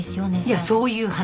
いやそういう話。